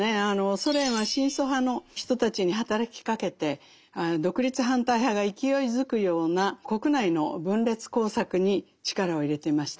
ソ連は親ソ派の人たちに働きかけて独立反対派が勢いづくような国内の分裂工作に力を入れていました。